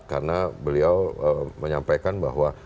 karena beliau menyampaikan bahwa